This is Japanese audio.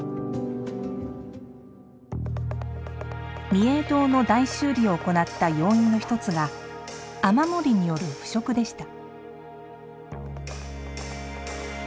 御影堂の大修理を行った要因の一つが雨漏りによる腐食でした。